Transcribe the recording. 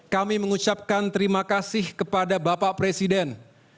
kami mengucapkan terima kasih kepada bapak presiden